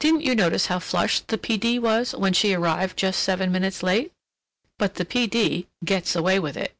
Didn't you notice how flushed the P. D. was when she arrived just seven minutes late? But the P. D. "gets away with it."